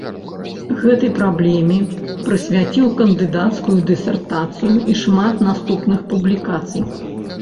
Гэтай праблеме прысвяціў кандыдацкую дысертацыю і шмат наступных публікацый.